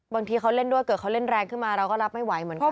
บางทีเขาเล่นด้วยเกิดเขาเล่นแรงขึ้นมาเราก็รับไม่ไหวเหมือนกัน